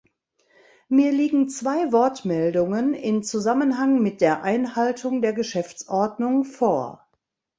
Mir liegen zwei Wortmeldungen in Zusammenhang mit der Einhaltung der Geschäftsordnung vor.